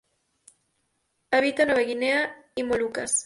Habita en Nueva Guinea y Molucas.